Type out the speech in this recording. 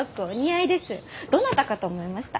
どなたかと思いました！